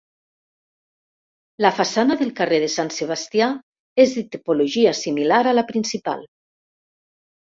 La façana del carrer de Sant Sebastià és de tipologia similar a la principal.